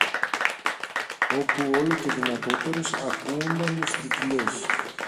όπου όλο και δυνατότερες ακούουνταν οι στριγλιές.